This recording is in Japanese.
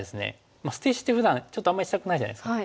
まあ捨て石ってふだんちょっとあんまりしたくないじゃないですか。